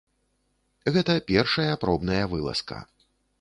Гэта першая пробная вылазка.